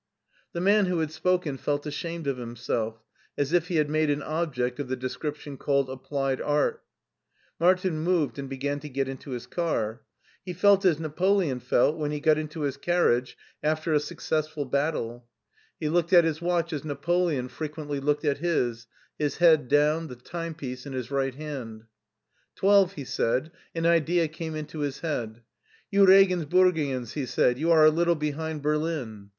The man who had spoken felt ashamed of himself, as if he had made an object of the description called applied art Martin moved and began to get into his car. He felt as Napoleon felt when he got into his carriage after ti €4 244 MARTIN SCHULER a successful battle. He looked at his watch as Nape* leon frequently looked at his: his head down, the timepiece in his right hand. Twelve/' he said, and an idea came into his head. You Regensburgians," he said, "you are a little behind Berlin."